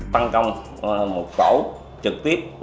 phân công một phẫu trực tiếp